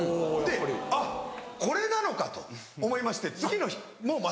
あっこれなのかと思いまして次の日もまた。